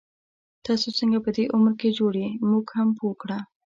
تاسو څنګه په دی عمر کي جوړ يې، مونږ هم پوه کړه